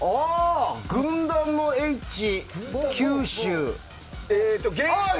軍団のＨ、九州。